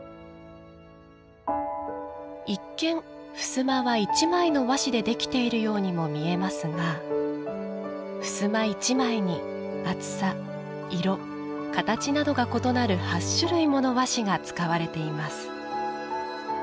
一見、ふすまは１枚の和紙でできているようにも見えますがふすま１枚に、厚さ、色形などが異なる８種類もの和紙が使われています。